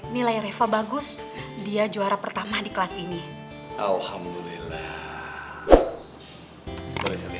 nilai reva bagus dia juara pertama di kelas ini alhamdulillah